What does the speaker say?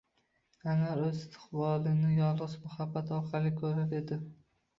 Anvar o’z istiqbolini yolg’iz muhabbat orqali ko’rar edi.